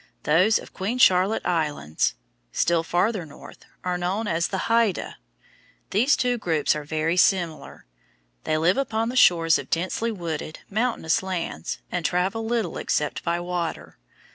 Those of Queen Charlotte Islands, still farther north, are known as Haidas. These two groups are very similar. They live upon the shores of densely wooded, mountainous lands and travel little except by water.